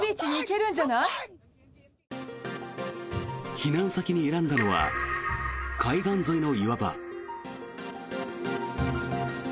避難先に選んだのは海岸沿いの岩場。